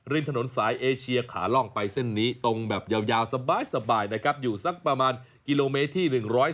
ถนนสายเอเชียขาล่องไปเส้นนี้ตรงแบบยาวสบายนะครับอยู่สักประมาณกิโลเมตรที่๑๔